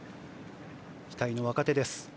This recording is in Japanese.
期待の若手です。